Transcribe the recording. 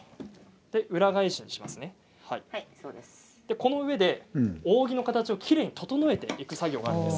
この板で扇の形をきれいに整えていく作業があるんです。